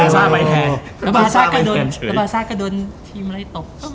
แล้วบาซ่าก็โดนทีมอะไรตบ